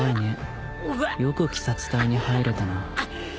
よく鬼殺隊に入れたな。